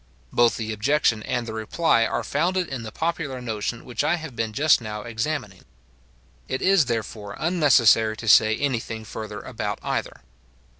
Both the objection and the reply are founded in the popular notion which I have been just now examining. It is therefore unnecessary to say any thing further about either.